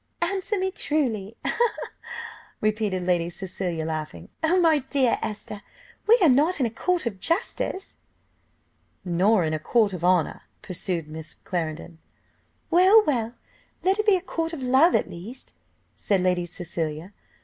"Answer me truly!" repeated Lady Cecilia, laughing. "Oh, my dear Esther, we are not in a court of justice." "Nor in a court of honour," pursued Miss Clarendon. "Well, well! let it be a court of love at least," said Lady Cecilia.